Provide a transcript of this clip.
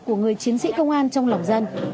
của người chiến sĩ công an trong lòng dân